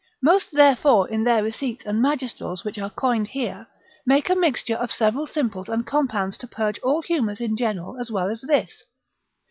Most therefore in their receipts and magistrals which are coined here, make a mixture of several simples and compounds to purge all humours in general as well as this.